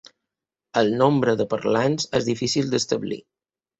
El nombre de parlants és difícil d'establir.